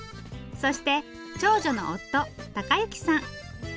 そして長女の夫貴之さん。